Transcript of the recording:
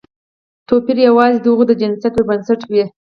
توپیر یوازې د هغوی د جنسیت پر بنسټ وي.